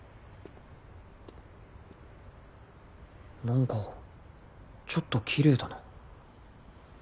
何かちょっと奇麗だな